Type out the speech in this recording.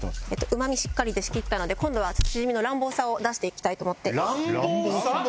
うま味しっかり出し切ったので今度はしじみの乱暴さを出していきたいと思って乱暴さ？